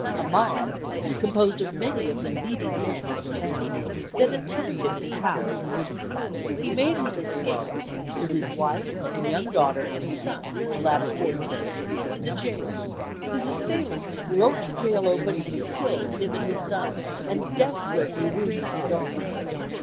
A mob, composed of many of the leading men in the town, then attacked him in his house. He made his escape, with his wife and young daughter and son, a lad of fourteen, to the jail. His assailants broke the jail open, and killed him and his son, and desperately wounded the daughter.